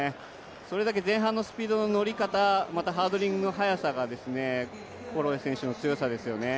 それだけ前半のスピードの乗り方、ハードリングの速さがホロウェイ選手の強さですよね。